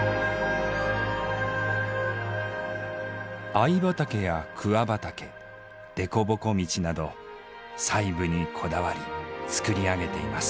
藍畑や桑畑でこぼこ道など細部にこだわり作り上げています。